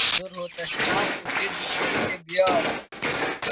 سوۡ روھوتشنام اُتھیۡ دُکینیۡ تھےۡ بِیانوۡ۔